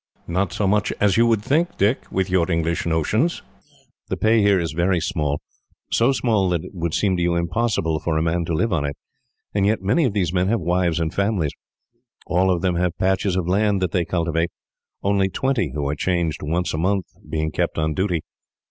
"Not so much as you would think, Dick, with your English notions. The pay here is very small so small that it would seem to you impossible for a man to live on it; and yet, many of these men have wives and families. All of them have patches of land that they cultivate; only twenty, who are changed once a month, being kept on duty.